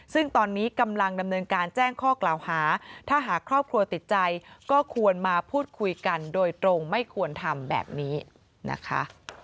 ซึ่งตอนนี้กำลังดำเนินการแจ้งข้อกล่าวหาถ้าหากครอบครัวติดใจก็ควรมาพูดคุยกันโดยตรงไม่ควรทำแบบนี้นะคะ